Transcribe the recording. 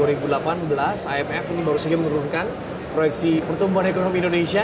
imf ini baru saja menurunkan proyeksi pertumbuhan ekonomi indonesia